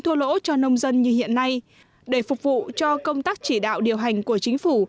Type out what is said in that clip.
thua lỗ cho nông dân như hiện nay để phục vụ cho công tác chỉ đạo điều hành của chính phủ